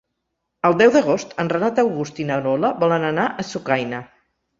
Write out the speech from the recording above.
El deu d'agost en Renat August i na Lola volen anar a Sucaina.